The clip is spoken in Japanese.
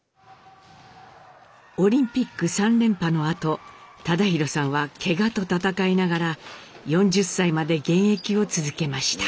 オリンピック３連覇のあと忠宏さんはケガと闘いながら４０歳まで現役を続けました。